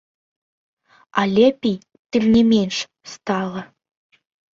А лепей, тым не менш, стала.